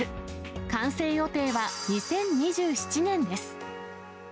完成予定は２０２７年です。